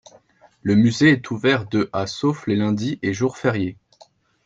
Le musée est ouvert de à sauf les lundis et jours fériés.